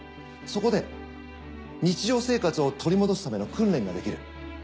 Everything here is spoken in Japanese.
そこで日常生活を取り戻すための訓練ができる。